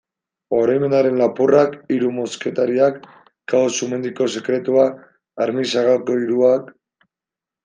Oroimenaren lapurrak, Hiru mosketariak, Kao-Sumendiko sekretua, Armix sagako hiruak...